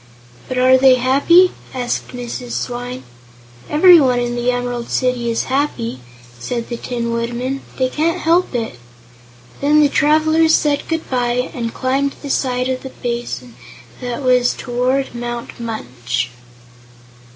"But are they happy?" asked Mrs. Swyne. "Everyone in the Emerald City is happy," said the Tin Woodman. "They can't help it." Then the travelers said good bye, and climbed the side of the basin that was toward Mount Munch.